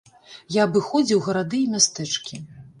Я абыходзіў гарады і мястэчкі.